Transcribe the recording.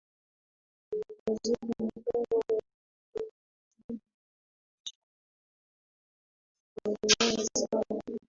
waziri mkuu wa uingereza boris johnson aliongea kwa huzuni sana